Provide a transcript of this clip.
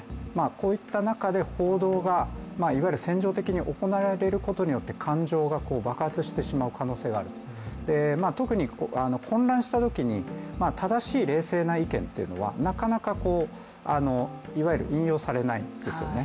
こういった中で報道がいわゆる扇情的に行われることによって感情が爆発してしまう可能性があると特に、混乱したときに正しい冷静な意見というのはなかなか引用されないんですよね。